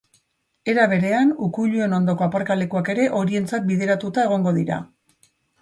Era berean, ukuiluen ondoko aparkalekuak ere horientzat bideratuta egongo dira.